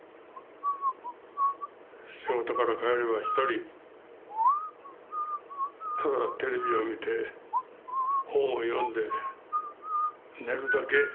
仕事から帰れば一人ただテレビを見て本を読んで寝るだけ。